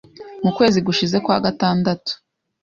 Mu kwezi gushize kwa gatandatu